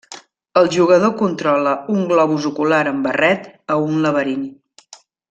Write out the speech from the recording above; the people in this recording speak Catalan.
El jugador controla un globus ocular amb barret a un laberint.